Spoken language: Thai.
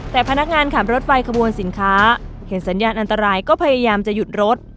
แต่พนักงานขับรถไฟขบวนสินค้าเห็นสัญญาณอันตรายก็พยายามจะหยุดรถ